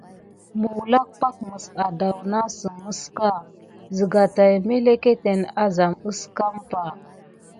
Məwlak pak mes addawnasəmeska, zəga taï mélékéténe azam aské mɓa.